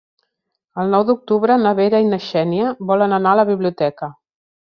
El nou d'octubre na Vera i na Xènia volen anar a la biblioteca.